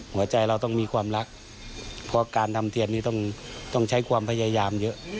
หัวใจเราต้องมีความรักเพราะการทำเทียนนี้ต้องใช้ความพยายามเยอะ